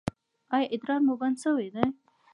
ایا ادرار مو بند شوی دی؟